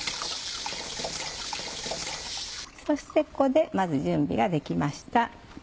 そしてここでまず準備ができました。